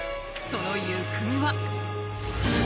その行方は。